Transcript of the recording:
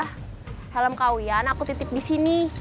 helem kawian aku titip di sini